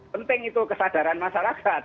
penting itu kesadaran masyarakat